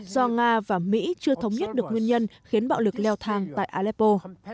do nga và mỹ chưa thống nhất được nguyên nhân khiến bạo lực leo thang tại aleppo